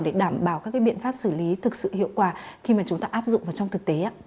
để đảm bảo các cái biện pháp xử lý thực sự hiệu quả khi mà chúng ta áp dụng vào trong thực tế